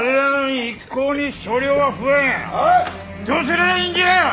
どうすりゃいいんじゃ！